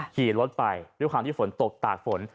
ขี่รถไปด้วยความที่ฝนตกตากฝน